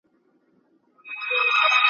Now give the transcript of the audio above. پردې ځمکه قيامونه ,